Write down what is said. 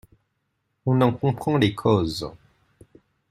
On en comprend les causes.